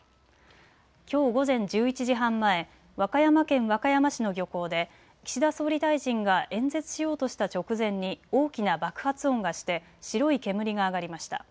きょう午前１１時半前、和歌山県和歌山市の漁港で岸田総理大臣が演説しようとした直前に大きな爆発音がして白い煙が上がりました。